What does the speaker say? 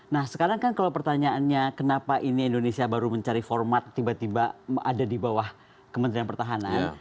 nah sekarang kan kalau pertanyaannya kenapa ini indonesia baru mencari format tiba tiba ada di bawah kementerian pertahanan